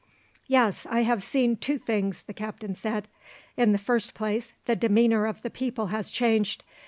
"Yes, I have seen two things," the captain said. "In the first place, the demeanour of the people has changed.